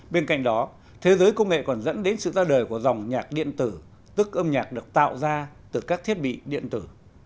bên cạnh đó thế giới công nghệ còn dẫn đến sự ra đời của dòng nhạc điện tử tức âm nhạc được tạo ra từ các thiết bị điện tử